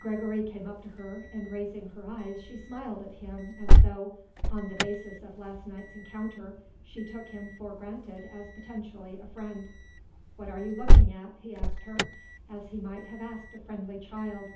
Gregory came up to her and raising her eyes she smiled at him as though, on the basis of last night's encounter, she took him for granted as potentially a friend. "What are you looking at?" he asked her, as he might have asked a friendly child.